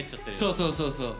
そうそうそうそう。